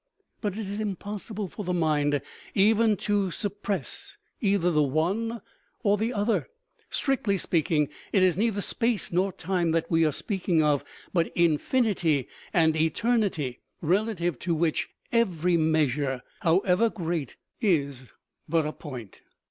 But it is impossible for the mind even to suppress either the one or the other. Strictly speaking, it is neither space nor time that we are speaking of, but infinity and eternity, rela tive to which every measure, however great, is but a point.